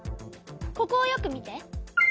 ここをよく見て。